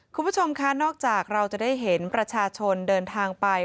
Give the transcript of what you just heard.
คุณผู้ชมค่ะนอกจากเราจะได้เห็นประชาชนเดินทางไป